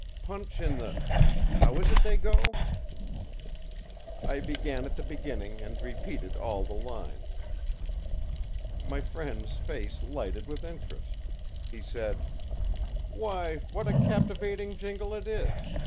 Punch in the how is it they go?î I began at the beginning and repeated all the lines. My friend's face lighted with interest. He said: ìWhy, what a captivating jingle it is!